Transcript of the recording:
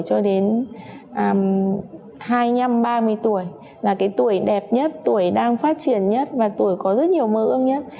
cho đến hai mươi năm ba mươi tuổi là cái tuổi đẹp nhất tuổi đang phát triển nhất và tuổi có rất nhiều mơ ước